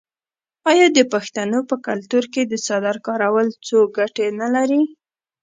آیا د پښتنو په کلتور کې د څادر کارول څو ګټې نلري؟